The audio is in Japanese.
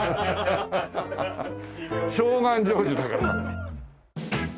小願成就だから。